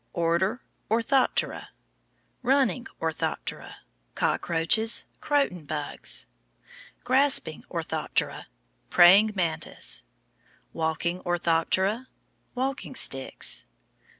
ORDER ORTHOPTERA. Running Orthoptera. Cockroaches, Croton Bugs. Grasping Orthoptera. Praying Mantis. Walking Orthoptera. Walking Sticks.